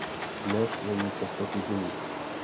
Dnes není často k vidění.